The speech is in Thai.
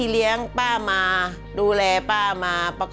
ร้องได้ให้ร้าง